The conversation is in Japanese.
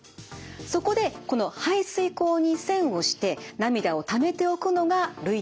そこでこの排水口に栓をして涙をためておくのが涙点プラグです。